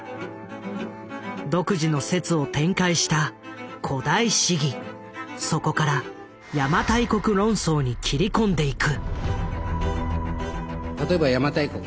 独自の説を展開したそこから「邪馬台国論争」に切り込んでいく。